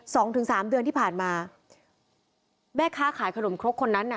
สองถึงสามเดือนที่ผ่านมาแม่ค้าขายขนมครกคนนั้นน่ะ